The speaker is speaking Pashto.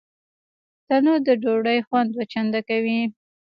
تنور د ډوډۍ خوند دوه چنده کوي